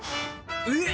えっ！